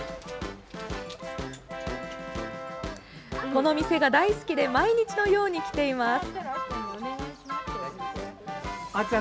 この店が大好きで毎日のように来ています。